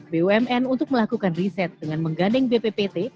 bumn untuk melakukan riset dengan menggandeng bppt